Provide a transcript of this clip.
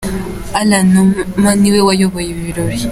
Alain Numa ni we wayoboye ibi birori.